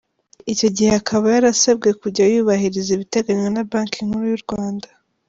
Icyo gihe akaba yarasabwe kujya yubahiriza ibiteganywa na Banki Nkuru y’u Rwanda.